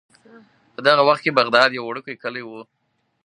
په دغه وخت کې بغداد یو وړوکی کلی و.